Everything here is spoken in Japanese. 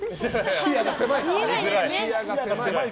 視野が狭い！